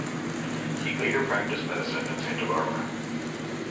He later practiced medicine in Santa Barbara.